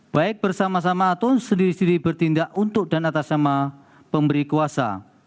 baik bersama sama atau sendiri sendiri bertindak untuk dan atas nama pemberi kuasa